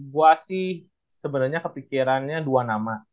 gua sih sebenernya kepikirannya dua nama